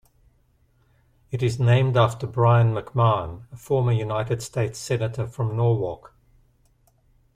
It is named after Brien McMahon, a former United States Senator from Norwalk.